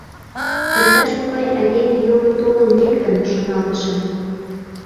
Иктаж-могай айдеме йомын толын лектын, шоналтышым.